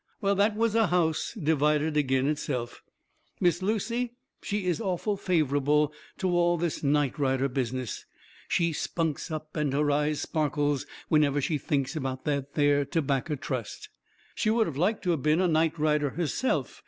Well, that was a house divided agin itself. Miss Lucy, she is awful favourable to all this nightrider business. She spunks up and her eyes sparkles whenever she thinks about that there tobaccer trust. She would of like to been a night rider herself.